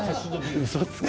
うそつき。